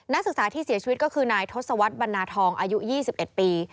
นักศึกษาที่เสียชีวิตก็คือนายทศวรรษบรรณาทองอายุ๒๑ปี